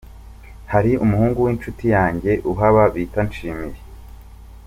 Hari umuhungu w’inshuti yanjye uhaba bita Nshimiye.